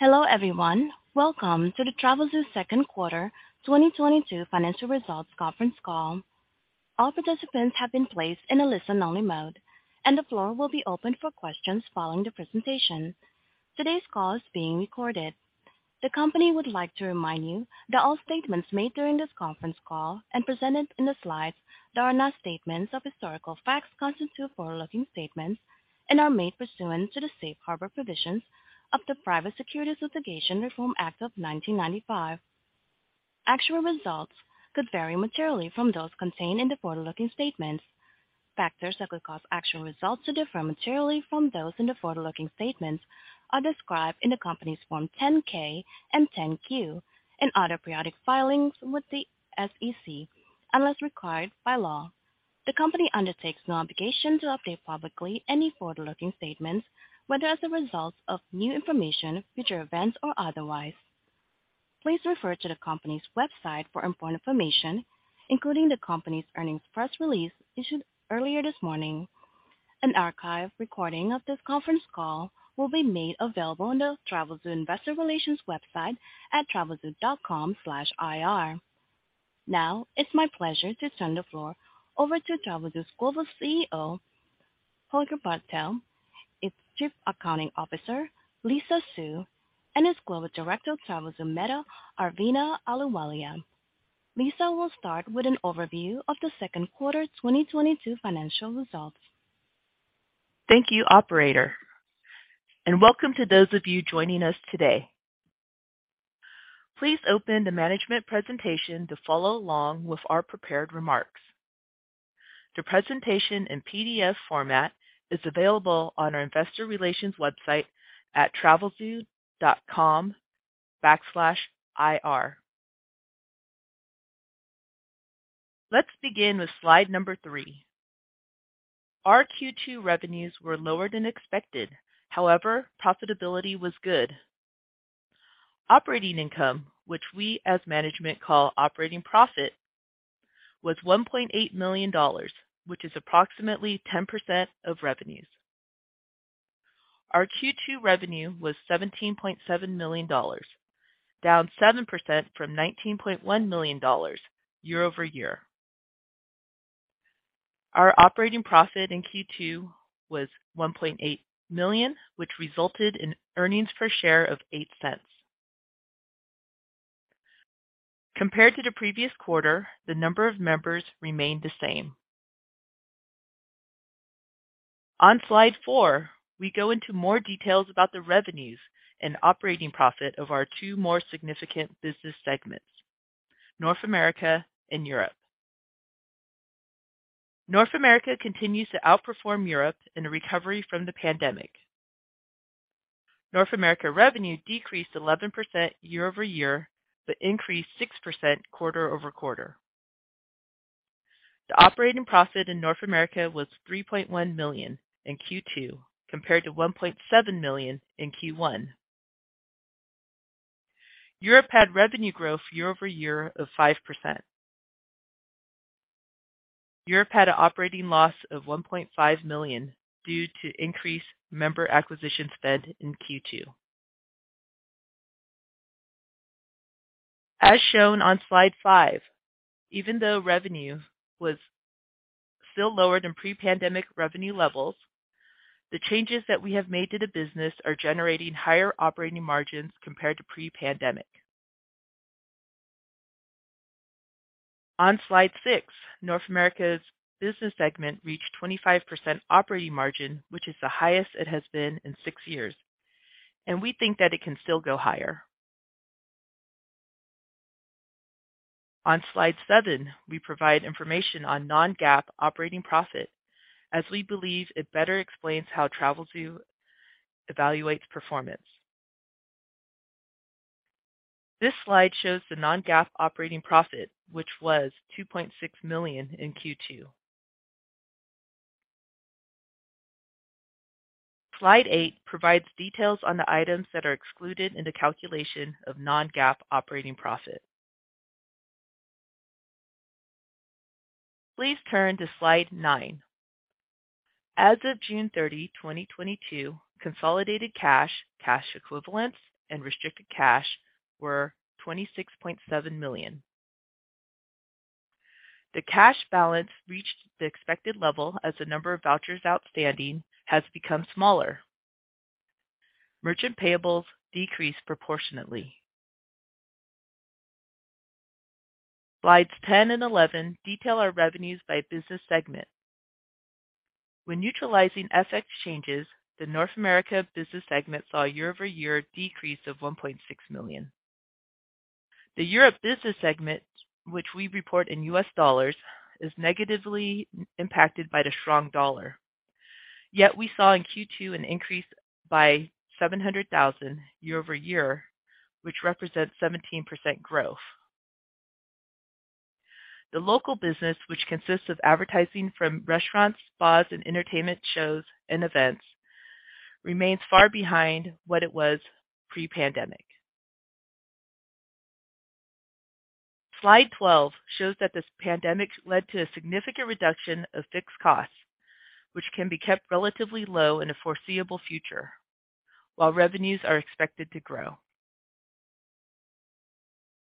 Hello everyone. Welcome to the Travelzoo Second Quarter 2022 Financial Results Conference Call. All participants have been placed in a listen-only mode, and the floor will be opened for questions following the presentation. Today's call is being recorded. The company would like to remind you that all statements made during this conference call and presented in the slides that are not statements of historical facts constitute forward-looking statements and are made pursuant to the Safe Harbor provisions of the Private Securities Litigation Reform Act of 1995. Actual results could vary materially from those contained in the forward-looking statements. Factors that could cause actual results to differ materially from those in the forward-looking statements are described in the company's Form 10-K and 10-Q and other periodic filings with the SEC, unless required by law. The company undertakes no obligation to update publicly any forward-looking statements, whether as a result of new information, future events, or otherwise. Please refer to the company's website for important information, including the company's earnings press release issued earlier this morning. An archive recording of this conference call will be made available on the Travelzoo investor relations website at travelzoo.com/ir. Now, it's my pleasure to turn the floor over to Travelzoo's Global CEO, Holger Bartel, its Chief Accounting Officer, Lisa Su, and its Global Director of Travelzoo META, Arveena Ahluwalia. Lisa will start with an overview of the second quarter 2022 financial results. Thank you, operator, and welcome to those of you joining us today. Please open the management presentation to follow along with our prepared remarks. The presentation in PDF format is available on our investor relations website at Travelzoo.com/ir. Let's begin with slide number three. Our Q2 revenues were lower than expected. However, profitability was good. Operating income, which we as management call operating profit, was $1.8 million, which is approximately 10% of revenues. Our Q2 revenue was $17.7 million, down 7% from $19.1 million year-over-year. Our operating profit in Q2 was $1.8 million, which resulted in earnings per share of $0.08. Compared to the previous quarter, the number of members remained the same. On slide four, we go into more details about the revenues and operating profit of our two more significant business segments, North America and Europe. North America continues to outperform Europe in a recovery from the pandemic. North America revenue decreased 11% year-over-year, but increased 6% quarter-over-quarter. The operating profit in North America was $3.1 million in Q2, compared to $1.7 million in Q1. Europe had revenue growth year-over-year of 5%. Europe had an operating loss of $1.5 million due to increased member acquisition spend in Q2. As shown on slide five, even though revenue was still lower than pre-pandemic revenue levels, the changes that we have made to the business are generating higher operating margins compared to pre-pandemic. On slide six, North America's business segment reached 25% operating margin, which is the highest it has been in six years, and we think that it can still go higher. On slide seven, we provide information on non-GAAP operating profit, as we believe it better explains how Travelzoo evaluates performance. This slide shows the non-GAAP operating profit, which was $2.6 million in Q2. Slide eight provides details on the items that are excluded in the calculation of non-GAAP operating profit. Please turn to slide nine. As of June 30, 2022, consolidated cash equivalents and restricted cash were $26.7 million. The cash balance reached the expected level as the number of vouchers outstanding has become smaller. Merchant payables decreased proportionately. Slides 10 and 11 detail our revenues by business segment. When neutralizing FX changes, the North America business segment saw a year-over-year decrease of $1.6 million. The Europe business segment, which we report in US dollars, is negatively impacted by the strong dollar. Yet we saw in Q2 an increase by $700,000 year-over-year, which represents 17% growth. The local business, which consists of advertising from restaurants, spas, and entertainment shows and events, remains far behind what it was pre-pandemic. Slide 12 shows that this pandemic led to a significant reduction of fixed costs, which can be kept relatively low in the foreseeable future while revenues are expected to grow.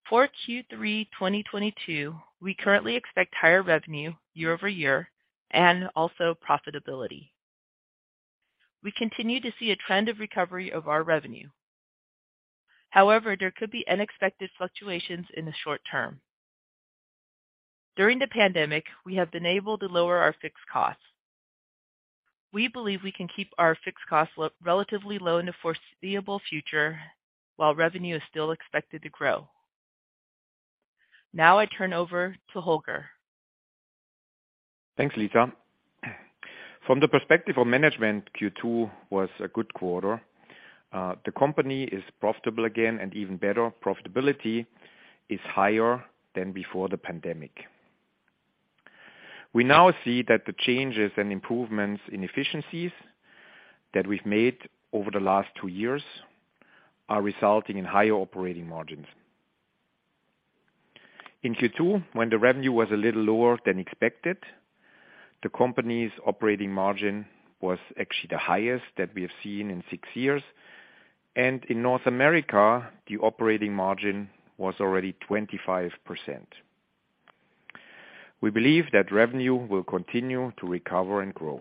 For Q3 2022, we currently expect higher revenue year-over-year and also profitability. We continue to see a trend of recovery of our revenue. However, there could be unexpected fluctuations in the short term. During the pandemic, we have been able to lower our fixed costs. We believe we can keep our fixed costs relatively low in the foreseeable future while revenue is still expected to grow. Now I turn over to Holger. Thanks, Lisa. From the perspective of management, Q2 was a good quarter. The company is profitable again and even better profitability is higher than before the pandemic. We now see that the changes and improvements in efficiencies that we've made over the last two years are resulting in higher operating margins. In Q2, when the revenue was a little lower than expected, the company's operating margin was actually the highest that we have seen in six years, and in North America, the operating margin was already 25%. We believe that revenue will continue to recover and grow.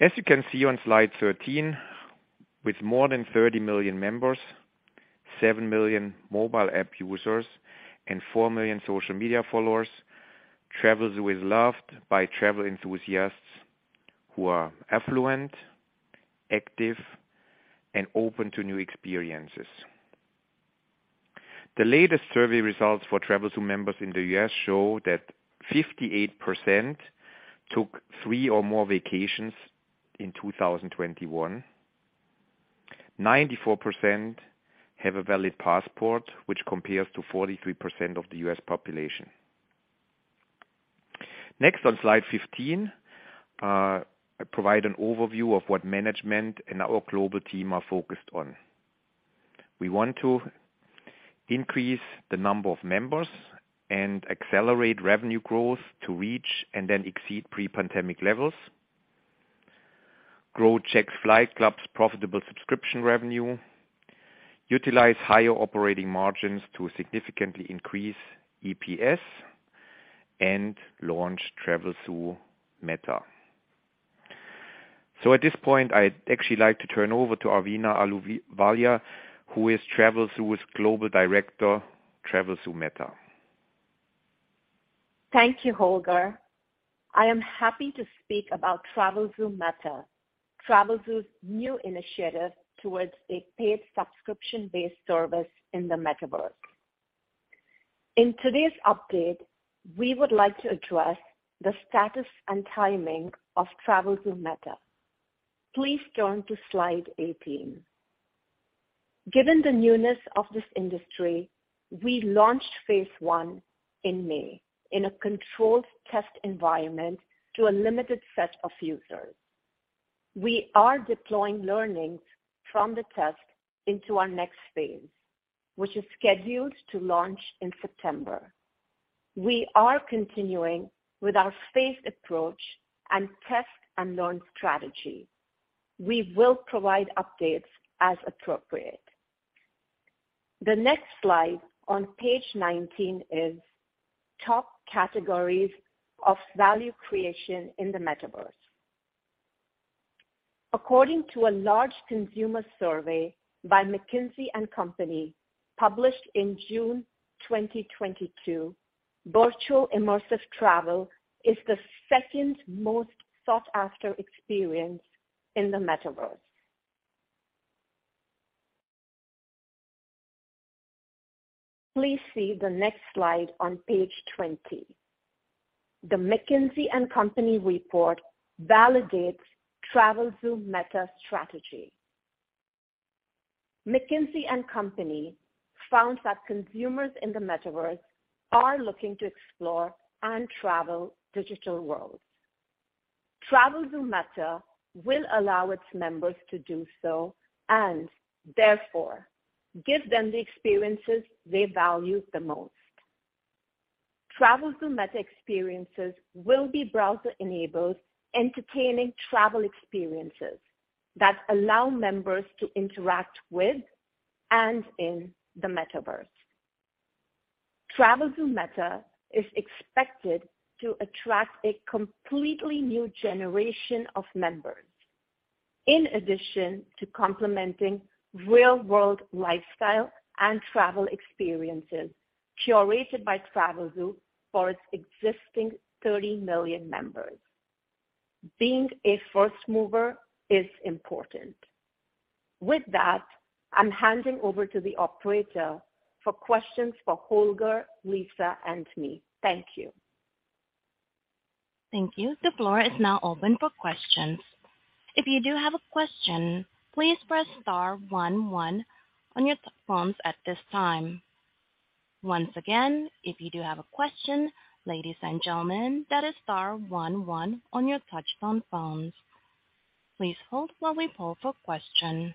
As you can see on slide 13, with more than 30 million members, seven million mobile app users, and four million social media followers, Travelzoo is loved by travel enthusiasts who are affluent, active, and open to new experiences. The latest survey results for Travelzoo members in the U.S. show that 58% took three or more vacations in 2021, 94% have a valid passport, which compares to 43% of the U.S. population. Next, on slide 15, I provide an overview of what management and our global team are focused on. We want to increase the number of members and accelerate revenue growth to reach and then exceed pre-pandemic levels. Grow Jack's Flight Club's profitable subscription revenue. Utilize higher operating margins to significantly increase EPS and launch Travelzoo Meta. At this point, I'd actually like to turn over to Arveena Ahluwalia, who is Travelzoo's Global Director, Travelzoo Meta. Thank you, Holger. I am happy to speak about Travelzoo Meta, Travelzoo's new initiative towards a paid subscription-based service in the Metaverse. In today's update, we would like to address the status and timing of Travelzoo Meta. Please turn to slide 18. Given the newness of this industry, we launched phase I in May in a controlled test environment to a limited set of users. We are deploying learnings from the test into our next phase, which is scheduled to launch in September. We are continuing with our phased approach and test and learn strategy. We will provide updates as appropriate. The next slide on page 19 is top categories of value creation in the Metaverse. According to a large consumer survey by McKinsey & Company published in June 2022, virtual immersive travel is the second most sought-after experience in the Metaverse. Please see the next slide on page 20. The McKinsey & Company report validates Travelzoo Meta strategy. McKinsey & Company found that consumers in the Metaverse are looking to explore and travel digital worlds. Travelzoo Meta will allow its members to do so and therefore give them the experiences they value the most. Travelzoo Meta experiences will be browser-enabled, entertaining travel experiences that allow members to interact with and in the Metaverse. Travelzoo Meta is expected to attract a completely new generation of members in addition to complementing real-world lifestyle and travel experiences curated by Travelzoo for its existing 30 million members. Being a first mover is important. With that, I'm handing over to the operator for questions for Holger, Lisa, and me. Thank you. Thank you. The floor is now open for questions. If you do have a question, please press star one one on your phones at this time. Once again, if you do have a question, ladies and gentlemen, that is star one one on your touch-tone phones. Please hold while we poll for questions.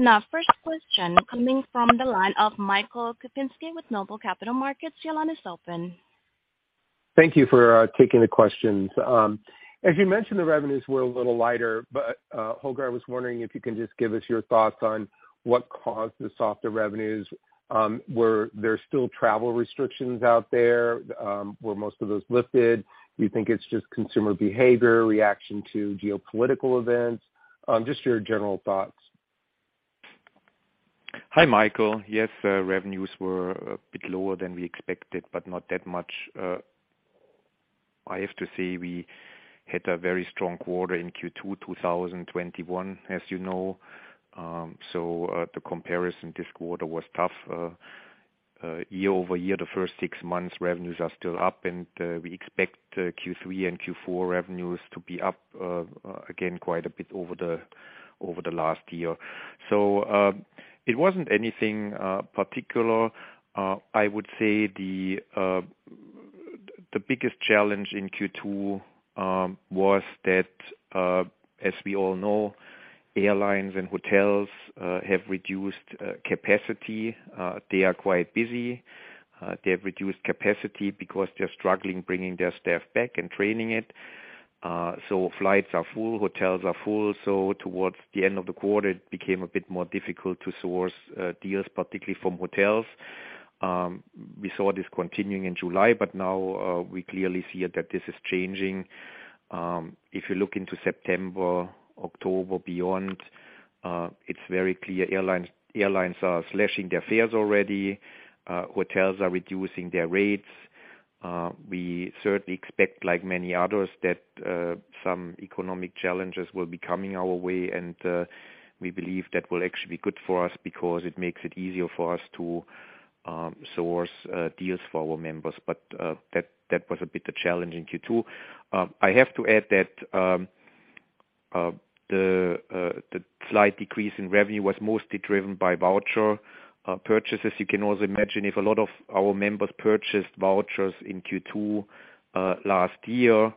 Now, first question coming from the line of Michael Kupinski with Noble Capital Markets. Your line is open. Thank you for taking the questions. As you mentioned, the revenues were a little lighter, but Holger, I was wondering if you can just give us your thoughts on what caused the softer revenues. Were there still travel restrictions out there, were most of those lifted? Do you think it's just consumer behavior reaction to geopolitical events? Just your general thoughts. Hi, Michael. Yes, revenues were a bit lower than we expected, but not that much. I have to say we hit a very strong quarter in Q2 2021, as you know. The comparison this quarter was tough. Year over year, the first six months revenues are still up, and we expect Q3 and Q4 revenues to be up again quite a bit over the last year. It wasn't anything particular. I would say the biggest challenge in Q2 was that, as we all know, airlines and hotels have reduced capacity. They are quite busy. They have reduced capacity because they're struggling bringing their staff back and training it. Flights are full, hotels are full, so towards the end of the quarter, it became a bit more difficult to source deals, particularly from hotels. We saw this continuing in July, but now, we clearly see that this is changing. If you look into September, October beyond, it's very clear airlines are slashing their fares already. Hotels are reducing their rates. We certainly expect, like many others, that some economic challenges will be coming our way. We believe that will actually be good for us because it makes it easier for us to source deals for our members. That was a bit of challenge in Q2. I have to add that the slight decrease in revenue was mostly driven by voucher purchases. You can also imagine if a lot of our members purchased vouchers in Q2 last year.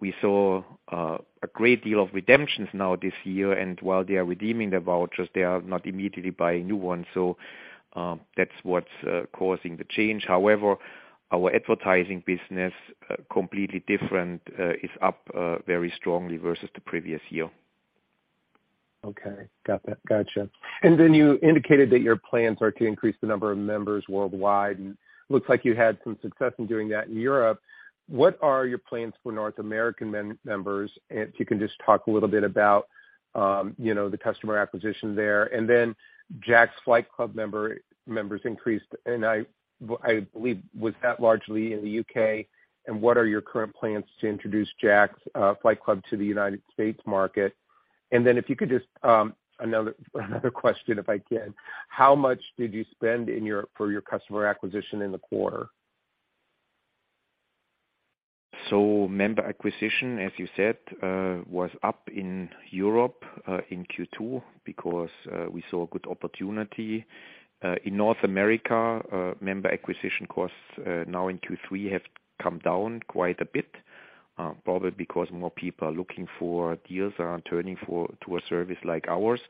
We saw a great deal of redemptions now this year. While they are redeeming their vouchers, they are not immediately buying new ones. That's what's causing the change. However, our advertising business, completely different, is up very strongly versus the previous year. Okay. Got that. Gotcha. You indicated that your plans are to increase the number of members worldwide. Looks like you had some success in doing that in Europe. What are your plans for North American members? If you can just talk a little bit about, you know, the customer acquisition there. Then Jack's Flight Club members increased, and I believe was that largely in the U.K.? What are your current plans to introduce Jack's Flight Club to the United States market? Then if you could just, another question, if I can. How much did you spend for your customer acquisition in the quarter? Member acquisition, as you said, was up in Europe in Q2 because we saw a good opportunity. In North America, member acquisition costs now in Q3 have come down quite a bit, probably because more people are looking for deals and are turning to a service like ours.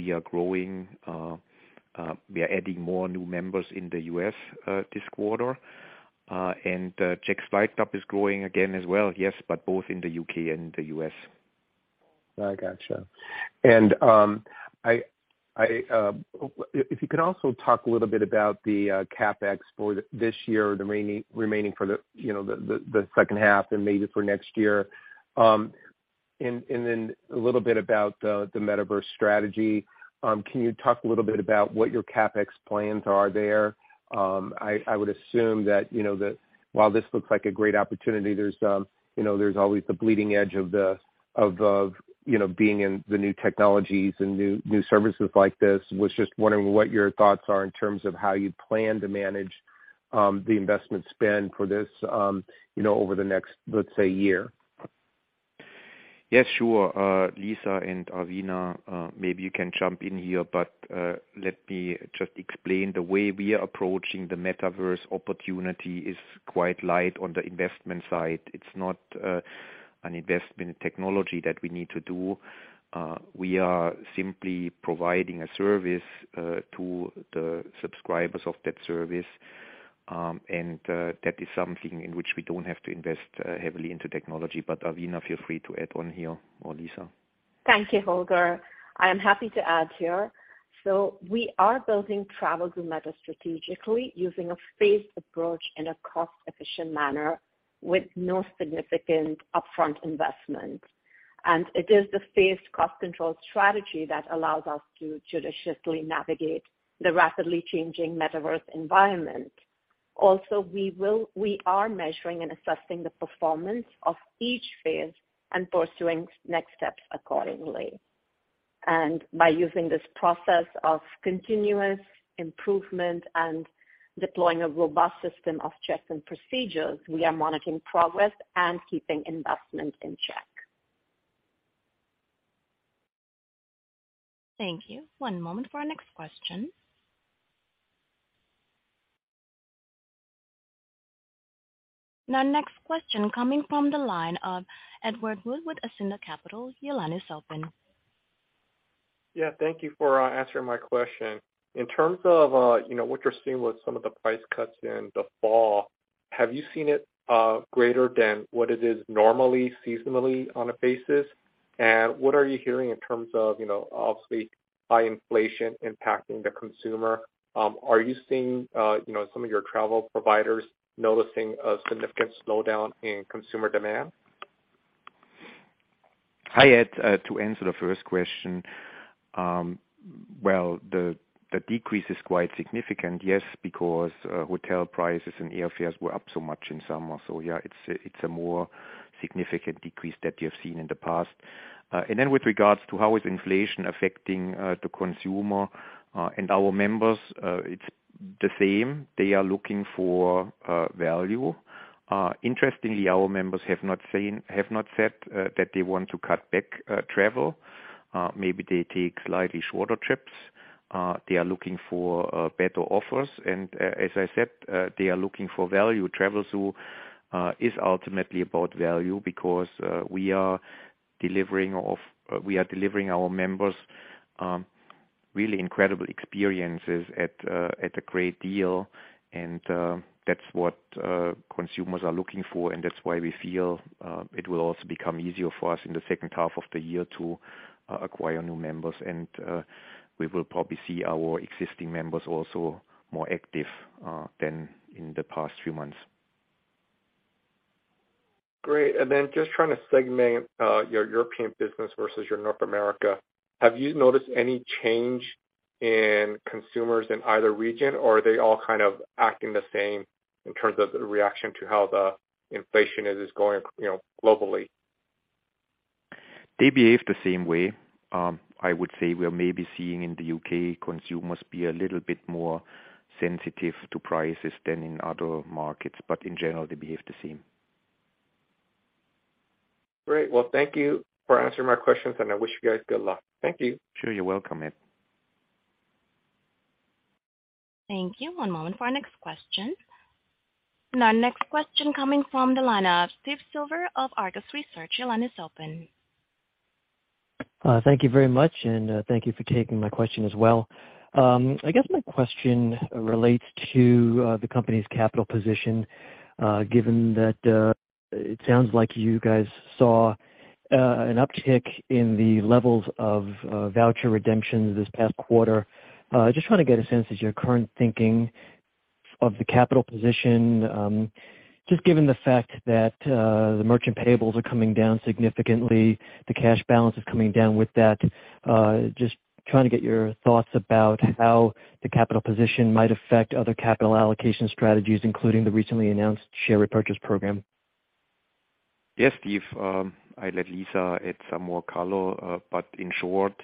We are growing. We are adding more new members in the U.S. this quarter. Jack's Flight Club is growing again as well, yes, but both in the U.K. and the U.S. I gotcha. If you could also talk a little bit about the CapEx for this year, the remaining for you know, the second half and maybe for next year. And then a little bit about the Metaverse strategy. Can you talk a little bit about what your CapEx plans are there? I would assume that, you know, that while this looks like a great opportunity, there's, you know, there's always the bleeding edge of the, of, you know, being in the new technologies and new services like this. Was just wondering what your thoughts are in terms of how you plan to manage the investment spend for this, you know, over the next, let's say, year. Yes, sure. Lisa and Arveena, maybe you can jump in here, but let me just explain the way we are approaching the Metaverse opportunity is quite light on the investment side. It's not an investment technology that we need to do. We are simply providing a service to the subscribers of that service. That is something in which we don't have to invest heavily into technology. But Arveena, feel free to add on here, or Lisa. Thank you, Holger. I am happy to add here. We are building Travelzoo Meta strategically using a phased approach in a cost-efficient manner with no significant upfront investment. It is the phased cost control strategy that allows us to judiciously navigate the rapidly changing Metaverse environment. Also, we are measuring and assessing the performance of each phase and pursuing next steps accordingly. By using this process of continuous improvement and deploying a robust system of checks and procedures, we are monitoring progress and keeping investment in check. Thank you. One moment for our next question. Now, next question coming from the line of Edward Woo with Ascendiant Capital. Your line is open. Yeah. Thank you for answering my question. In terms of, you know, what you're seeing with some of the price cuts in the fall, have you seen it greater than what it is normally seasonally on a basis? What are you hearing in terms of, you know, obviously, high inflation impacting the consumer? Are you seeing, you know, some of your travel providers noticing a significant slowdown in consumer demand? I had to answer the first question. Well, the decrease is quite significant, yes, because hotel prices and airfares were up so much in summer. Yeah, it's a more significant decrease that we have seen in the past. Then with regards to how is inflation affecting the consumer and our members, it's the same. They are looking for value. Interestingly, our members have not said that they want to cut back travel. Maybe they take slightly shorter trips. They are looking for better offers. As I said, they are looking for value. Travelzoo is ultimately about value because we are delivering our members really incredible experiences at a great deal. That's what consumers are looking for. That's why we feel it will also become easier for us in the second half of the year to acquire new members. We will probably see our existing members also more active than in the past few months. Great. Just trying to segment your European business versus your North America, have you noticed any change in consumers in either region, or are they all kind of acting the same in terms of the reaction to how the inflation is going, you know, globally? They behave the same way. I would say we are maybe seeing in the U.K. consumers be a little bit more sensitive to prices than in other markets, but in general, they behave the same. Great. Well, thank you for answering my questions, and I wish you guys good luck. Thank you. Sure. You're welcome, Ed. Thank you. One moment for our next question. Now, next question coming from the line of Steve Silver of Argus Research. Your line is open. Thank you very much, and thank you for taking my question as well. I guess my question relates to the company's capital position, given that it sounds like you guys saw an uptick in the levels of voucher redemptions this past quarter. Just wanna get a sense of your current thinking of the capital position, just given the fact that the merchant payables are coming down significantly, the cash balance is coming down with that. Just trying to get your thoughts about how the capital position might affect other capital allocation strategies, including the recently announced share repurchase program. Yes, Steve. I'll let Lisa add some more color. In short,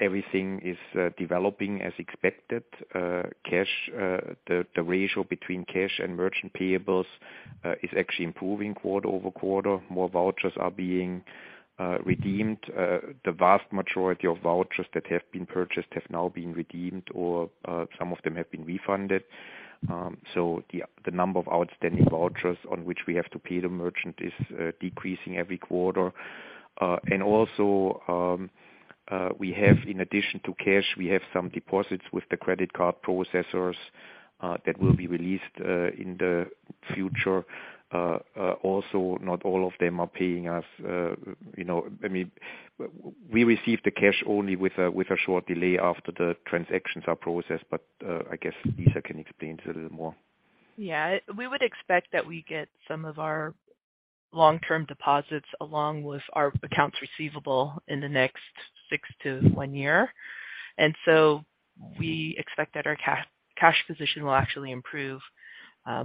everything is developing as expected. The ratio between cash and merchant payables is actually improving quarter-over-quarter. More vouchers are being redeemed. The vast majority of vouchers that have been purchased have now been redeemed or some of them have been refunded. The number of outstanding vouchers on which we have to pay the merchant is decreasing every quarter. In addition to cash, we have some deposits with the credit card processors that will be released in the future. Not all of them are paying us. You know, I mean, we receive the cash only with a short delay after the transactions are processed. I guess Lisa can explain it a little more. Yeah. We would expect that we get some of our long-term deposits along with our accounts receivable in the next six months to one year. We expect that our cash position will actually improve.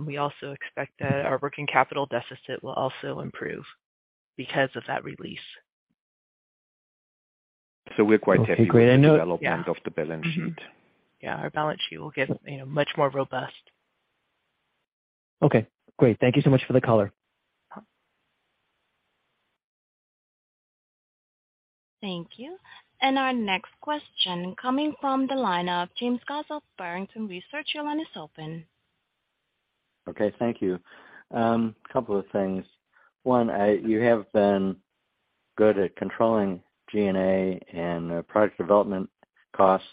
We also expect that our working capital deficit will also improve because of that release. We're quite happy- Okay, great. I know- ...with the development of the balance sheet. Yeah, our balance sheet will get, you know, much more robust. Okay, great. Thank you so much for the color. Yeah. Thank you. Our next question coming from the line of James Goss, Barrington Research. Your line is open. Okay. Thank you. Couple of things. One, you have been good at controlling G&A and product development costs.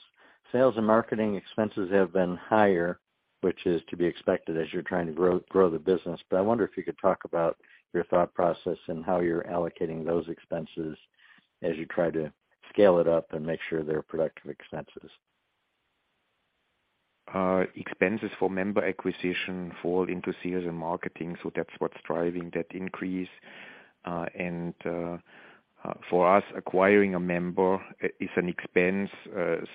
Sales and marketing expenses have been higher, which is to be expected as you're trying to grow the business. I wonder if you could talk about your thought process and how you're allocating those expenses as you try to scale it up and make sure they're productive expenses. Expenses for member acquisition fall into sales and marketing, so that's what's driving that increase. For us, acquiring a member is an expense,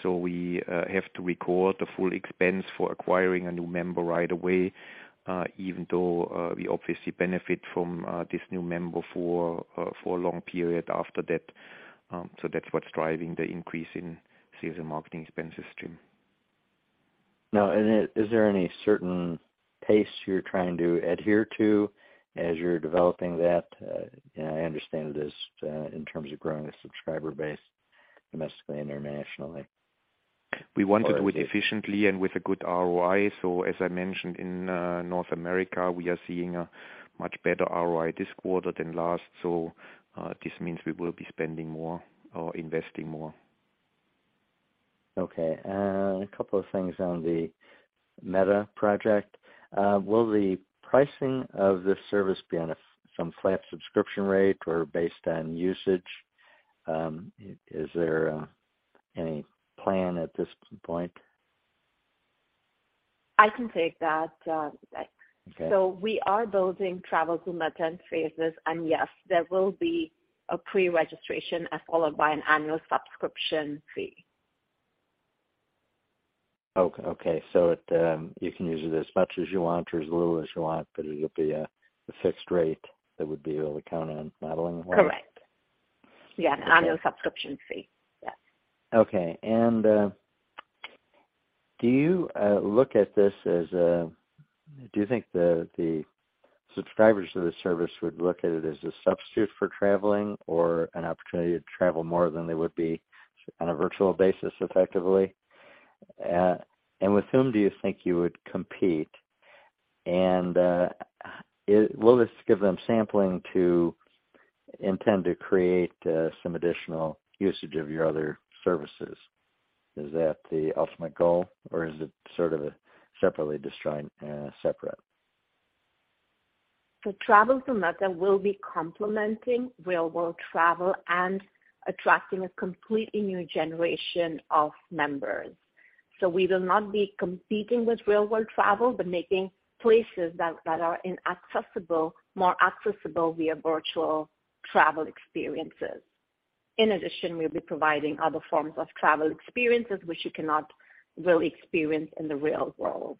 so we have to record the full expense for acquiring a new member right away, even though we obviously benefit from this new member for a long period after that. That's what's driving the increase in sales and marketing expenses, Jim. Now, is there any certain pace you're trying to adhere to as you're developing that? I understand it is in terms of growing a subscriber base domestically, internationally. We want to do it efficiently and with a good ROI. As I mentioned, in North America, we are seeing a much better ROI this quarter than last. This means we will be spending more or investing more. Okay. A couple of things on the Meta project. Will the pricing of this service be on some flat subscription rate or based on usage? Is there any plan at this point? I can take that, Jim. Okay. We are building Travelzoo Meta in phases, and yes, there will be a pre-registration followed by an annual subscription fee. Okay. You can use it as much as you want or as little as you want, but it'll be a fixed rate that would be able to count on modeling wise? Correct. Yeah. Annual subscription fee. Yes. Do you think the subscribers to the service would look at it as a substitute for traveling or an opportunity to travel more than they would be on a virtual basis effectively? With whom do you think you would compete? Will this give them sampling intended to create some additional usage of your other services? Is that the ultimate goal or is it sort of a standalone separate? The Travelzoo Meta will be complementing real world travel and attracting a completely new generation of members. We will not be competing with real world travel, but making places that are inaccessible more accessible via virtual travel experiences. In addition, we'll be providing other forms of travel experiences which you cannot really experience in the real world.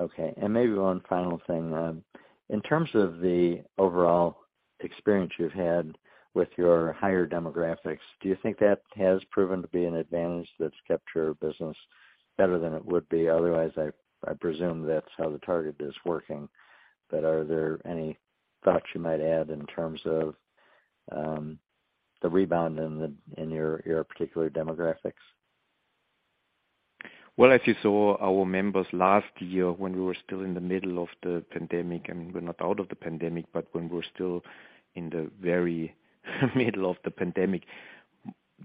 Okay. Maybe one final thing, in terms of the overall experience you've had with your higher demographics, do you think that has proven to be an advantage that's kept your business better than it would be? Otherwise, I presume that's how the target is working, but are there any thoughts you might add in terms of the rebound in your particular demographics? Well, as you saw our members last year when we were still in the middle of the pandemic, and we're not out of the pandemic, but when we're still in the very middle of the pandemic,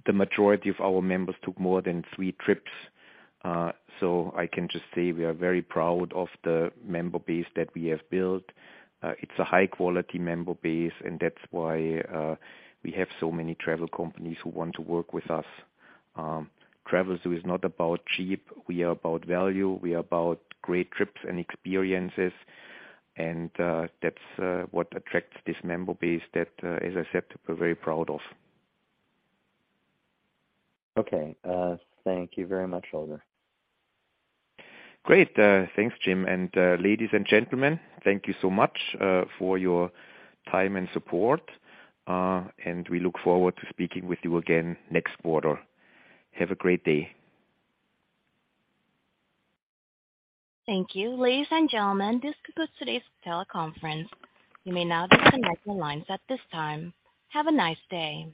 the majority of our members took more than three trips. I can just say we are very proud of the member base that we have built. It's a high quality member base, and that's why we have so many travel companies who want to work with us. Travelzoo is not about cheap. We are about value. We are about great trips and experiences and that's what attracts this member base that, as I said, we're very proud of. Okay. Thank you very much, Holger. Great. Thanks, Jim. Ladies and gentlemen, thank you so much for your time and support, and we look forward to speaking with you again next quarter. Have a great day. Thank you. Ladies and gentlemen, this concludes today's teleconference. You may now disconnect your lines at this time. Have a nice day.